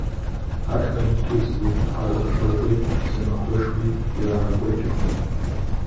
Ар хэмыту зы хьэгъуэлӏыгъуи, зы махуэшхуи ирагъэкӏуэкӏыркъым.